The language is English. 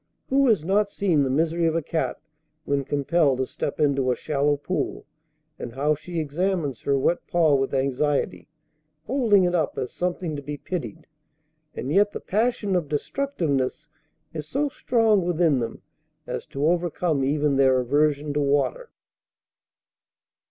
Who has not seen the misery of a cat when compelled to step into a shallow pool, and how she examines her wet paw with anxiety, holding it up as something to be pitied? And yet the passion of destructiveness is so strong within them as to overcome even their aversion to water."